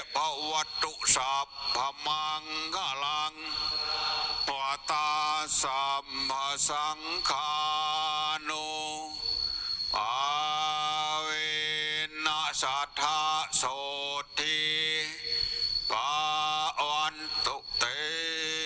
ปวดตาสัมพสังคาณุปาเวณสัทธาโสธิปาวันตุ๊กตี